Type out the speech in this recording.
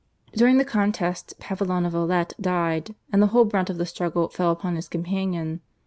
During the contest Pavillon of Alet died, and the whole brunt of the struggle fell upon his companion.